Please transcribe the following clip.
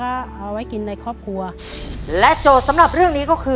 เอาไว้กินในครอบครัวและโจทย์สำหรับเรื่องนี้ก็คือ